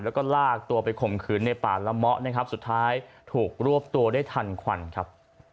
แล้วก็ลากตัวไปข่มขืนในป่าละเมาะนะครับสุดท้ายถูกรวบตัวได้ทันควันครับ